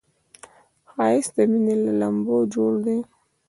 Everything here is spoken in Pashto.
ښایست د مینې له لمبو جوړ دی